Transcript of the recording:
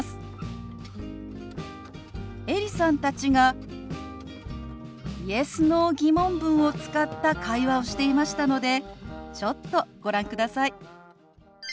エリさんたちがＹｅｓ／Ｎｏ−疑問文を使った会話をしていましたのでちょっとご覧ください。